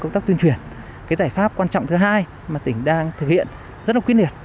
công tác tuyên truyền cái giải pháp quan trọng thứ hai mà tỉnh đang thực hiện rất là quyết liệt